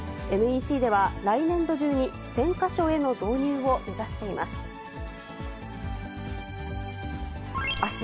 ＮＥＣでは、来年度中に１０００か所への導入を目指しています。